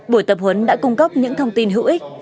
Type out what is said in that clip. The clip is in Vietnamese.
buổi tập huấn đã cung cấp những thông tin hữu ích